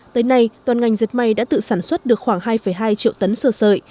tới nay toàn ngành dệt may đã tự sản xuất được khoảng hai hai triệu tấn sơ sợi